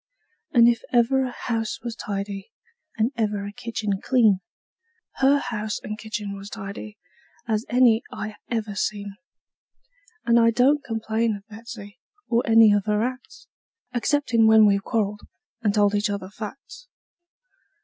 And if ever a house was tidy, and ever a kitchen clean, Her house and kitchen was tidy as any I ever seen; And I don't complain of Betsey, or any of her acts, Exceptin' when we've quarreled, and told each other facts.